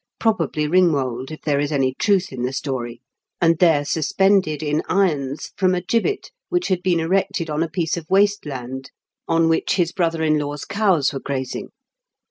217 (probably Kingwold, if there is any truth in the story), and there suspended in irons from a gibbet which had been erected on a piece of waste land on which his brother in law's cows were grazing.